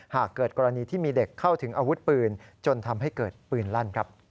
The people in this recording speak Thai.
หากเกิดกรณีที่มีเด็กเข้าถึงอาวุธปืนจนทำให้เกิดปืนลั่น